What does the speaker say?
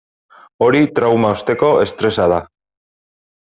Hori trauma osteko estresa da.